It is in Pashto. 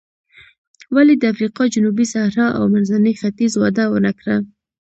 ولې د افریقا جنوبي صحرا او منځني ختیځ وده ونه کړه.